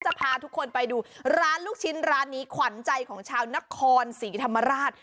จะพาทุกคนไปดูร้านลูกชิ้นร้านนี้ขวัญใจของชาวนครศรีธรรมราช